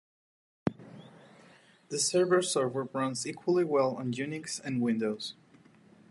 The server software runs equally well on Unix and Windows.